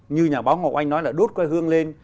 như nhà báo ngọc anh nói là đốt quê hương lên